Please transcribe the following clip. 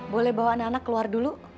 boleh bawa anak anak keluar dulu